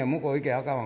あかんわ。